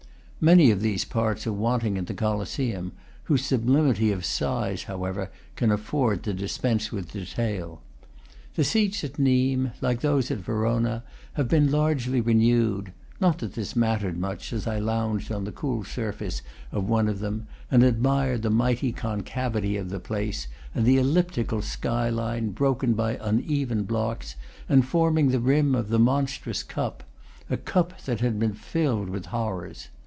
Many of these parts are wanting in the Colosseum, whose sublimity of size, however, can afford to dispense with detail. The seats at Nimes, like those at Verona, have been largely renewed; not that this mattered much, as I lounged on the cool surface of one of them, and admired the mighty concavity of the place and the elliptical sky line, broken by uneven blocks and forming the rim of the monstrous cup, a cup that had been filled with horrors.